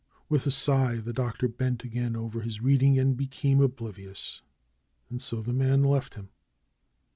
With a sigh the Doctor bent again over his reading and became oblivious. And so the man left him.